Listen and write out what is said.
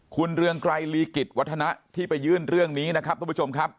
คุณเรืองไกรลีกิจวัฒนะที่ไปยื่นเรื่องนี้นะครับทุกผู้ชมครับ